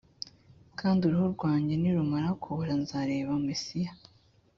kandi uruhu rwanjye nirumara kubora nzareba mesiya